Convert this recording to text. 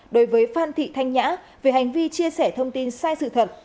đối với phan thị thanh nhã về hành vi chia sẻ thông tin sai sự thật